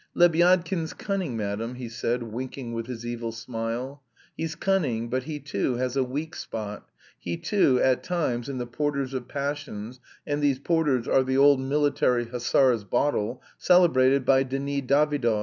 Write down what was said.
"Lebyadkin's cunning, madam," he said, winking with his evil smile; "he's cunning, but he too has a weak spot, he too at times is in the portals of passions, and these portals are the old military hussars' bottle, celebrated by Denis Davydov.